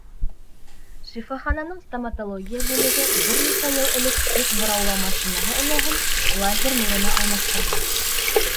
Шифахананың стоматология бүлеге бер нисә йыл элек теш быраулау машинаһы энәһен лазер нурына алмаштырған.